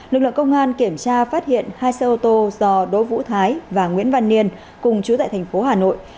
lực lượng công an kiểm tra phát hiện hai xe ô tô do đỗ vũ thái và nguyễn văn niên cùng chú tại thành phố hà nội